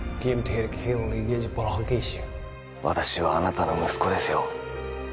私はあなたの息子ですよ